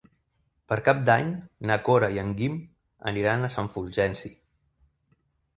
Per Cap d'Any na Cora i en Guim aniran a Sant Fulgenci.